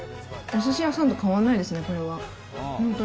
お寿司屋さんと変わらないですね、これは。